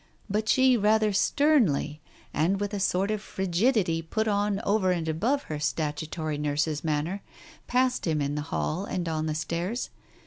But she rather sternly, and with a sort of frigidity put on over and above her statutory nurse's manner, passed him in the hall or on the stairs.